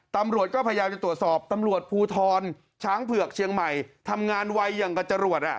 ตำรวจก็พยายามจะตรวจสอบตำรวจภูทรช้างเผือกเชียงใหม่ทำงานไวอย่างกับจรวดอ่ะ